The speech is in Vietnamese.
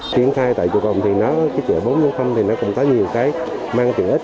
triển khai tại chợ bốn thì nó cũng có nhiều cái mang trí ích